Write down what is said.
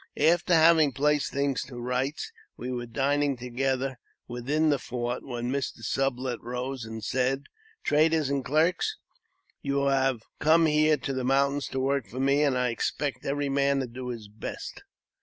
After having placed things to rights, we were dining together within the fort, when Mr. Sublet rose and said, "Traders and clerks, you have come here to the mountains to work for me, and I expect every man to do his best.